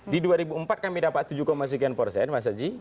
di dua ribu empat kami dapat tujuh sekian persen mas haji